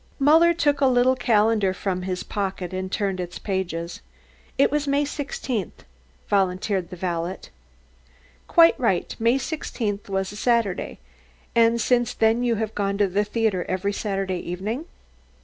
Muller took a little calendar from his pocket and turned its pages. "It was May sixteenth," volunteered the valet. "Quite right. May sixteenth was a Saturday. And since then you have gone to the theatre every Saturday evening?"